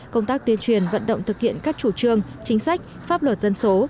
công tác tuyên truyền vận động thực hiện các chủ trương chính sách pháp luật dân số